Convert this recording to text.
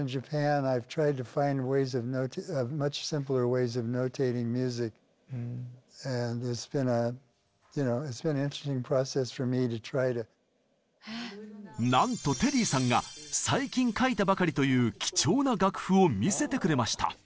ちなみになんとテリーさんが最近書いたばかりという貴重な楽譜を見せてくれました。